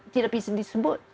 tidak bisa disebut